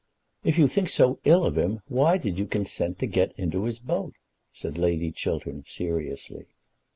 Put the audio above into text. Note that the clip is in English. "If you think so ill of him why did you consent to get into his boat?" said Lady Chiltern, seriously.